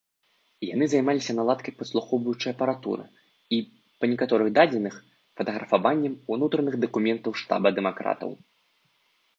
Яны займаліся наладкай падслухоўваючай апаратуры і, па некаторых дадзеных, фатаграфаваннем унутраных дакументаў штаба дэмакратаў.